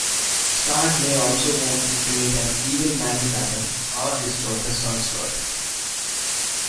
Strahd may also want to create an evil magic item, or destroy the Sunsword.